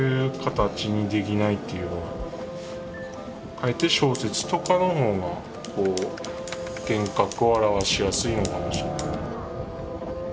かえって小説とかの方が幻覚を表しやすいのかもしれない。